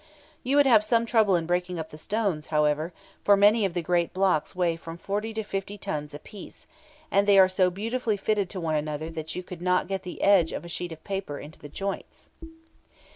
You would have some trouble in breaking up the stones, however; for many of the great blocks weigh from 40 to 50 tons apiece, and they are so beautifully fitted to one another that you could not get the edge of a sheet of paper into the joints!